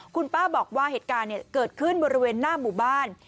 คุณป้าบอกว่าเหตุการณ์เกิดขึ้นบริเวณหน้าหมู่บ้าน